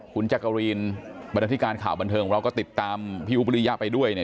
คุณจักรีนบรรดาธิการข่าวบันเทิงของเราก็ติดตามพี่อุ๊บริยะไปด้วยเนี่ย